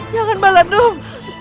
jangan mbak landung